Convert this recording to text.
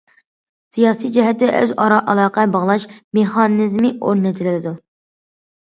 سىياسىي جەھەتتە ئۆز ئارا ئالاقە باغلاش مېخانىزمى ئورنىتىلىدۇ.